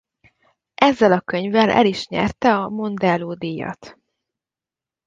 Ezzel a könyvvel el is nyerte a Mondello-díjat.